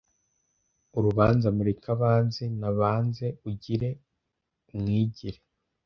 urubanza Mureke abanze Nabanze ugiri umwigire